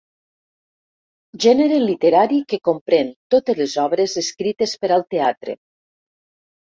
Gènere literari que comprèn totes les obres escrites per al teatre.